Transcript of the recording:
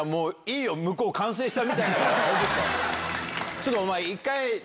ちょっとお前。